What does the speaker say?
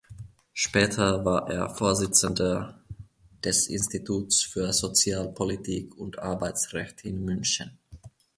Später war er Vorsitzender des Instituts für Sozialpolitik und Arbeitsrecht in München.